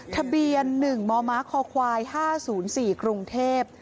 ทะเบียน๑มมคค๕๐๔กรุงเทพ